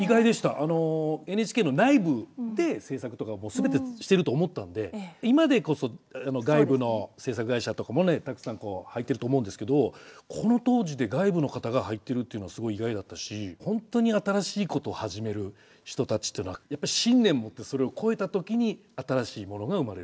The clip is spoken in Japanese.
あのＮＨＫの内部で制作とかも全てしてると思ったんで今でこそ外部の制作会社とかもねたくさん入ってると思うんですけどこの当時で外部の方が入ってるっていうのはすごい意外だったし本当に新しいことを始める人たちっていうのはやっぱり信念持ってそれを超えた時に新しいものが生まれる。